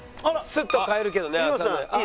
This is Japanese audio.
スッと買えるけどね。